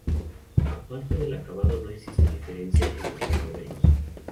Aparte del acabado, no existe diferencia entre los modelos.